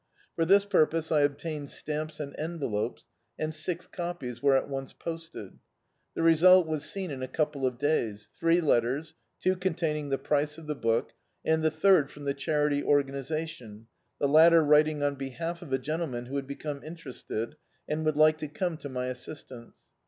For this puipose I obtained stamps and envelopes, and six copies were at once posted. The result was seen in a couple of days — three let ters, two containing the price of the book, and the third from the Oiarity Organisation, the latter writ ing on behalf of a gentleman who had become in terested, and would like to come to my assistance.